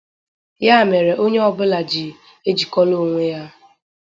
Ya mere onye ọbụla ji ejikọlo onwe ya